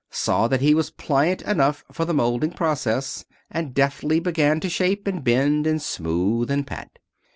saw that he was pliant enough for the molding process, and deftly began to shape, and bend, and smooth and pat.